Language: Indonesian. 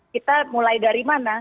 kita mulai dari mana